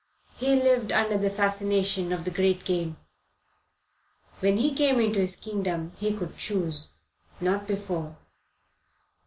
He lived under the fascination of the Great Game. When he came into his kingdom he could choose; not before.